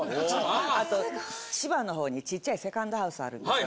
あと千葉のほうに小っちゃいセカンドハウスあるんですよ。